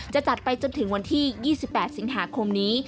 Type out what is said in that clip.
จะจัดไปจนถึงวันที่๒๘สิงหาคมนี้